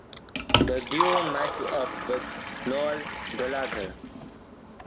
The duo met up with Noel Gallagher.